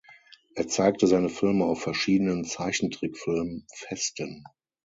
Er zeigte seine Filme auf verschiedenen Zeichentrickfilm-Festen.